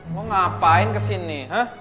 lu ngapain kesini